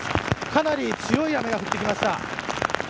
かなり強い雨が降ってきました。